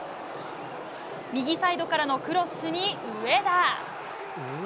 右サイドからのクロスに上田。